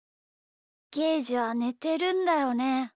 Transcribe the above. ゲージはねてるんだよね？